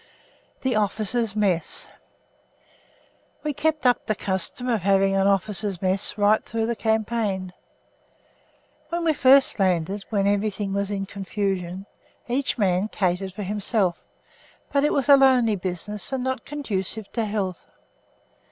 THE OFFICERS' MESS We kept up the custom of having an officers' mess right through the campaign. When we first landed, while everything was in confusion, each man catered for himself; but it was a lonely business, and not conducive to health.